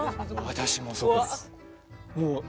私もそこです